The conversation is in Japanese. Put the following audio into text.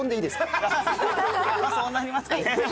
そうなりますかね。